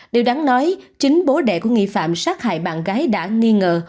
điều đáng nói chính bố đẻ của nghi phạm sát hại bạn gái đã nghi ngờ